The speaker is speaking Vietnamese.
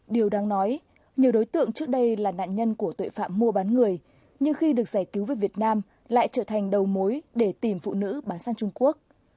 điều đáng nói nhiều đối tượng trước đây là nạn nhân của tội phạm mua bán người nhưng khi được giải cứu về việt nam lại trở thành đầu mối để tìm phụ nữ bán sang trung quốc